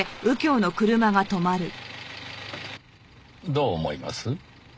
どう思います？